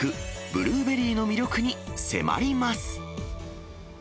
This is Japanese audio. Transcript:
ブルーベリーの魅力に迫ります。